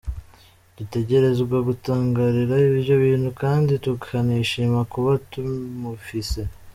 Dutegerezwa gutangarira ivyo bintu kandi tukanishima kuba tumufise.